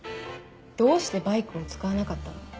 どうしてバイクを使わなかったの？